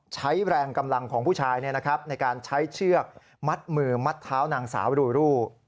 ใช้แรงกำลังของผู้ชายในการใช้เชือกมัดมือมัดเท้านางสาวรูรู